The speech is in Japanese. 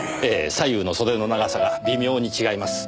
左右の袖の長さが微妙に違います。